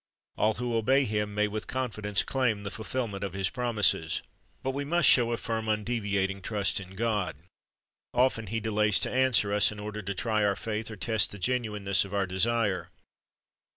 All who obey Him may with confidence claim the fulfilment of His promises. But we must show a firm, undeviating trust in God. Often He delays to answer us, in order to try our faith or te.st the genuineness of our desire.